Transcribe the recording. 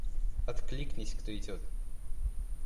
Откликнись кто идёт!